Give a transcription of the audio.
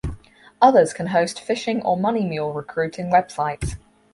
Others can host phishing or money mule recruiting websites.